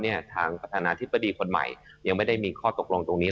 ทางประธานาธิบดีคนใหม่ยังไม่ได้มีข้อตกลงตรงนี้